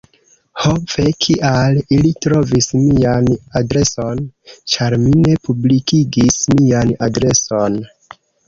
Ho ve, kial ili trovis mian adreson? ĉar mi ne publikigis mian adreson.